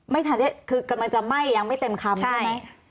ไม่ทันได้คือกำลังจะไหม้ยังไม่เต็มคำใช่ไหม